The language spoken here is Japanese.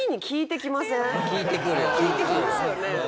効いてきますよね。